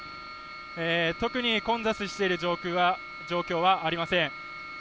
特に混雑している状況はありません。